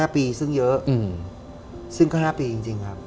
๕ปีซึ่งเยอะซึ่งก็๕ปีจริงครับ